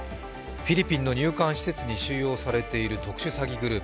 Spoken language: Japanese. フィリピンの入管施設に収容されている特殊詐欺グループ。